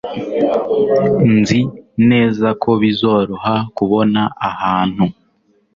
Nzi neza ko bizoroha kubona ahantu.